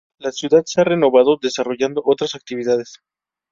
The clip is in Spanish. La ciudad se ha renovado, desarrollando otras actividades.